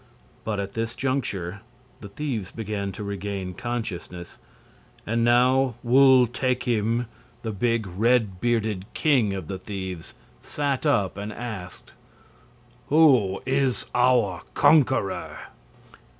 But at this juncture the thieves began to regain consciousness, and now Wul Takim, the big, red bearded king of the thieves, sat up and asked: "Who is our conqueror?"